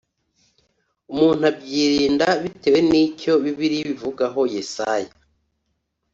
umuntu abyirinda bitewe n icyo bibiliya ibivugaho yesaya